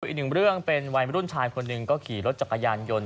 อีกหนึ่งเรื่องเป็นวัยมรุ่นชายคนหนึ่งก็ขี่รถจักรยานยนต์